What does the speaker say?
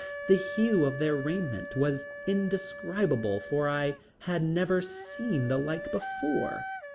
The hue of their raiment was indescribable for I had never seen the like before.